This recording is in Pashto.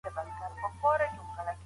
سندرې یووالي رامنځته کوي.